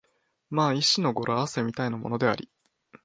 まあ一種の語呂合せみたいなものであり、